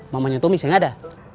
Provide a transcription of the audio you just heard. mamanya tommy sih gak ada